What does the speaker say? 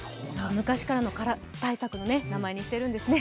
昔からのからす対策の名前にしてるんですね。